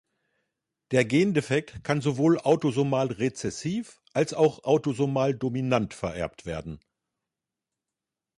Der Gendefekt kann sowohl autosomal-rezessiv als auch autosomal-dominant vererbt werden.